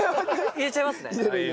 入れちゃいますね。